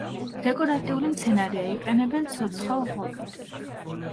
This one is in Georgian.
დეკორატიული მცენარეა, იყენებენ ცოცხალ ღობედ.